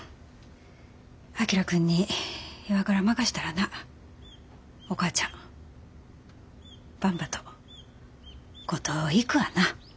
章君にＩＷＡＫＵＲＡ任したらなお母ちゃんばんばと五島行くわな。